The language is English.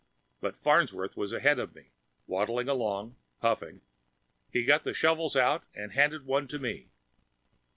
But Farnsworth was ahead of me, waddling along, puffing. He got the shovels out and handed one to me.